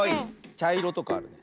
ちゃいろとかあるね。